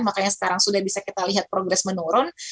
makanya sekarang sudah bisa kita lihat progres menurun